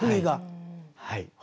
はい。